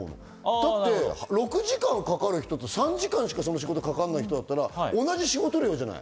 だって６時間かかる人と３時間しかかからない人だったら同じ仕事量じゃない。